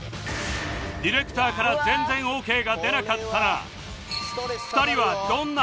ディレクターから全然オーケーが出なかったら